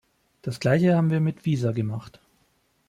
Das Gleiche haben wir mit Visa gemacht.